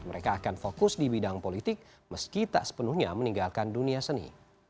mereka akan fokus di bidang politik meski tak sepenuhnya meninggalkan dunia seni